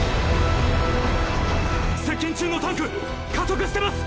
接近中のタンク加速してます！